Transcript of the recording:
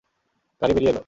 গাড়ি বেরিয়ে গেলো।